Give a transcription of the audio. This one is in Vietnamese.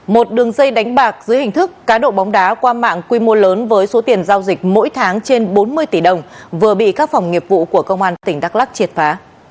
một đường dây đánh bạc dưới hình thức cá độ bóng đá qua mạng quy mô lớn với số tiền giao dịch mỗi tháng trên bốn mươi tỷ đồng vừa bị các phòng nghiệp vụ của công an tỉnh đắk lắc triệt phá